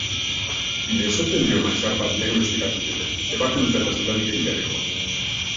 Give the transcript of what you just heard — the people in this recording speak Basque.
Mesotelioma txar bat diagnostikatu zioten, ebakuntza eta sendabiderik gabekoa.